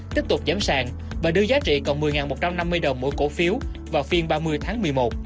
tiếp tục giám sàng và đưa giá trị còn một mươi một trăm năm mươi đồng mỗi cổ phiếu vào phiên ba mươi tháng một mươi một